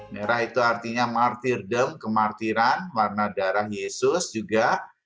merah itu artinya martirdem kemartiran warna darah yesus juga